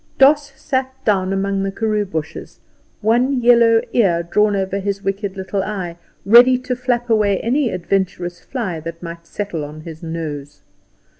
Doss sat among the karoo bushes, one yellow ear drawn over his wicked little eye, ready to flap away any adventurous fly that might settle on his nose.